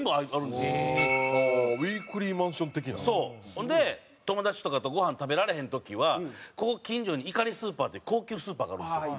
ほんで友達とかとごはん食べられへん時はここ近所にいかりスーパーっていう高級スーパーがあるんですよ。